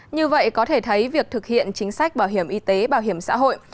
như vậy có thể thấy việc thực hiện chính sách bảo hiểm y tế bảo hiểm xã hội